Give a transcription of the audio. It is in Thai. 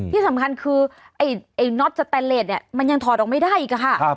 ที่สำคัญคือไอ้น็อตสแตนเลสเนี่ยมันยังถอดออกไม่ได้อีกค่ะ